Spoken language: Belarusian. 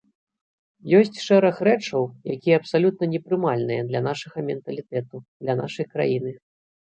Ёсць шэраг рэчаў, якія абсалютна непрымальныя для нашага менталітэту, для нашай краіны.